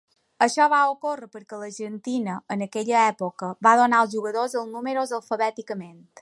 Això va ocórrer perquè l'Argentina, en aquella època, va donar als jugadors els números alfabèticament.